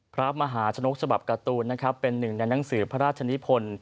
พระมหาชนกฉบับการ์ตูนนะครับเป็นหนึ่งในหนังสือพระราชนิพล